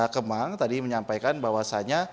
kemang tadi menyampaikan bahwasannya